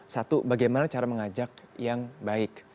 satu bagaimana cara mengajak yang baik